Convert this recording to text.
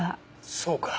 そうか。